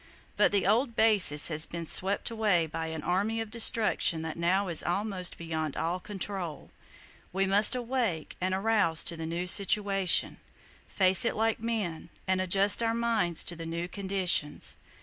But the old basis has been swept away by an Army of Destruction that now is almost beyond all control. We must awake, and arouse to the new situation, face it like men, and adjust our minds to the new conditions.